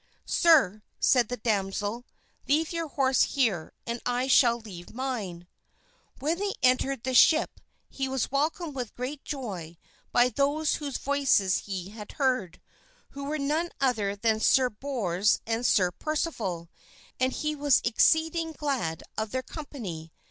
"Sir," said the damsel, "Leave your horse here and I shall leave mine." When they entered the ship he was welcomed with great joy by those whose voices he had heard, who were none other than Sir Bors and Sir Percival, and he was exceeding glad of their company.